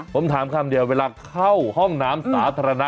ผมถามคำเดียวเวลาเข้าห้องน้ำสาธารณะ